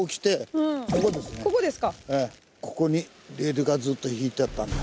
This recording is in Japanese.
ここにレールがずっと引いてあったんだ。